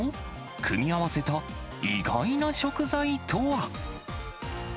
組み合わせた意外な食材とは。